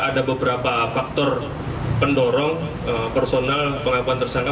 ada beberapa faktor pendorong personal pengakuan tersangka